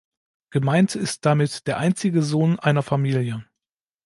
Gemeint ist damit der einzige Sohn einer Familie.